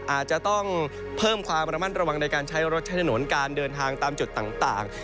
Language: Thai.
อาจจะต้องเพิ่มความระมัดระวังในการใช้รถใช้ถนนการเดินทางตามจุดต่าง